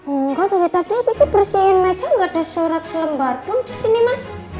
enggak dari tadi kiki bersihin meja gak ada surat selembar pun di sini mas